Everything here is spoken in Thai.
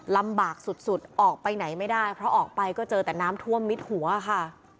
ลำบากสุดออกไปไหนไม่ได้เพราะออกไปก็เจอแต่น้ำท่วมมิดหัวค่ะ